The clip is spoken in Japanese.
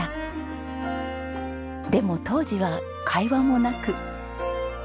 でも当時は会話もなく。